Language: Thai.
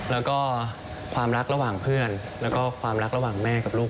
แล้วก็ความรักระหว่างเพื่อนแล้วก็ความรักระหว่างแม่กับลูก